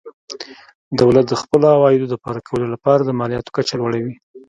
دولت د خپلو عوایدو د پوره کولو لپاره د مالیاتو کچه لوړوي.